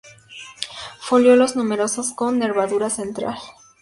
Folíolos numerosos con nervadura central.